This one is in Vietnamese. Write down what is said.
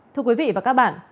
thưa quý vị và các bạn